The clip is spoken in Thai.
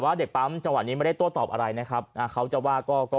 ว่าเด็กปั๊มจังหวะนี้ไม่ได้ตัวตอบอะไรนะครับเขาจะว่าก็